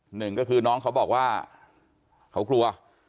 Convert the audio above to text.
หนึ่งก็คือน้องเขาบอกว่าเขากลัว